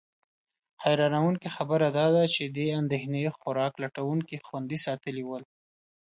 حیرانونکې خبره دا ده چې دې اندېښنې خوراک لټونکي خوندي ساتلي ول.